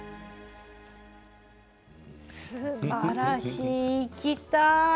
すばらしい、行きたい。